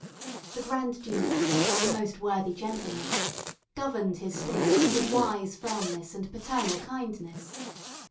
The Grand Duke, a most worthy gentleman, governed his states with wise firmness and paternal kindness.